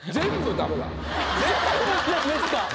全部ダメっすか？